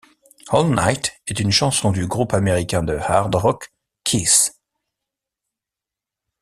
All Night est une chanson du groupe américain de hard rock Kiss.